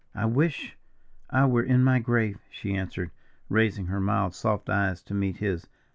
"I wish I were in my grave," she answered, raising her mild, soft eyes to meet his.